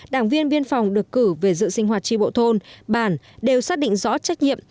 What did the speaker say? đảng viên biên phòng được cử về dự sinh hoạt tri bộ thôn bản đều xác định rõ trách nhiệm